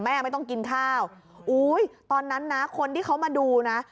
ไม่ต้องกินข้าวอุ้ยตอนนั้นนะคนที่เขามาดูนะ